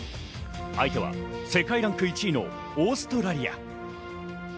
相手は世界ランク１位のオーストラリア。